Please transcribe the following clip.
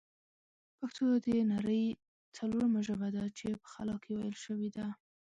پښتو د نړۍ ځلورمه ژبه ده چې په خلا کښې ویل شوې ده